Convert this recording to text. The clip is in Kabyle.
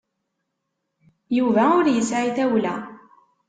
Yuba ur yesɛi tawla.